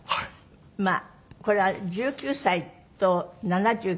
まあこれは１９歳と７９歳なんですよ。